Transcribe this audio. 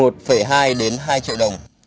một hai hai triệu đồng